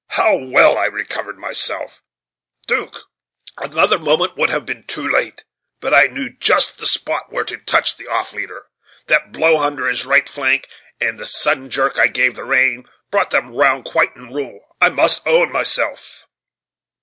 How well I recovered myself, 'Duke! Another moment would have been too late; but I knew just the spot where to touch the off leader; that blow under his right flank, and the sudden jerk I gave the rein, brought them round quite in rule, I must own myself."